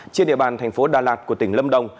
trên địa bàn thành phố đà lạt của tỉnh lâm đồng